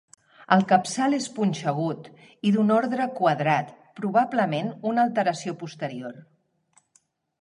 El capçal és punxegut i d'un ordre quadrat, probablement una alteració posterior.